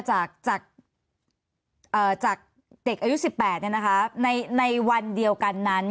จากจากเอ่อจากเด็กอายุสิบแปดเนี้ยนะคะในในวันเดียวกันนั้น